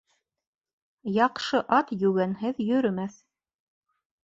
Яҡшы ат йүгәнһеҙ йөрөмәҫ.